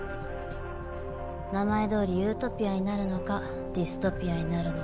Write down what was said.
名前どおりユートピアになるのかディストピアになるのか。